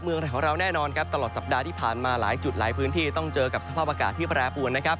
เมืองไทยของเราแน่นอนครับตลอดสัปดาห์ที่ผ่านมาหลายจุดหลายพื้นที่ต้องเจอกับสภาพอากาศที่แปรปวนนะครับ